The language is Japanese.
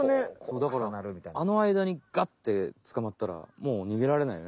だからねあのあいだにガッてつかまったらもうにげられないよね